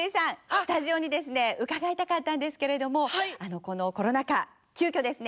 スタジオにですね伺いたかったんですけれどもこのコロナ禍急きょですね